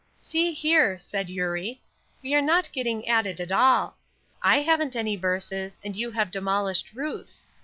"See here," said Eurie, "we are not getting at it at all. I haven't any verses, and you have demolished Ruth's.